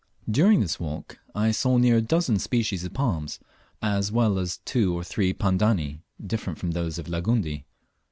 During this walk I saw near a dozen species of palms, as well as two or three Pandani different from those of Langundi.